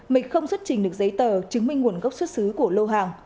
mịch không xuất trình được giấy tờ chứng minh nguồn gốc xuất xứ của